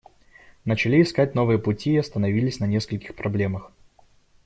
Начали искать новые пути и остановились на нескольких проблемах.